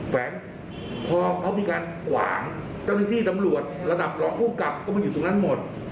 แขวงพอเขามีการขวางเจ้าหน้าที่ตำรวจระดับรองภูมิกับก็มาอยู่ตรงนั้นหมด